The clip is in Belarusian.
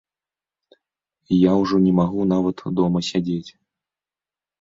Я ўжо не магу нават дома сядзець.